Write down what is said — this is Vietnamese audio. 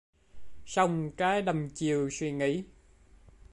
Song trái đăm chiêu suy nghĩ